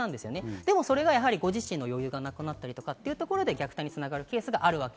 でもご自身の余裕がなくなったりというところで虐待に繋がるケースがあります。